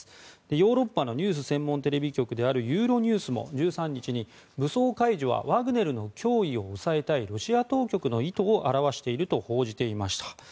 ヨーロッパのニュース専門テレビ局であるユーロニュースも１３日に、武装解除はワグネルの脅威を抑えたいロシア当局の意図を表していると報じていました。